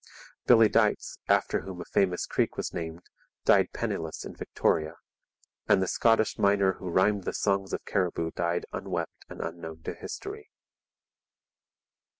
Billy Deitz, after whom a famous creek was named, died penniless in Victoria; and the Scottish miner who rhymed the songs of Cariboo died unwept and unknown to history.